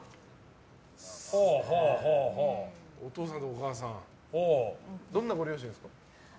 お父さんとお母さんどんなご両親ですか。